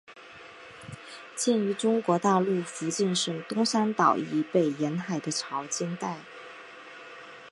见于中国大陆福建省东山岛以北沿海的潮间带。